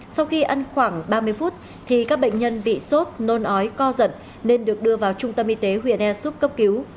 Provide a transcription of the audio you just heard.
sau khi ăn khoảng ba mươi phút các bệnh nhân bị sốt nôn ói co giận nên được đưa vào trung tâm y tế huyện ia súc cấp cứu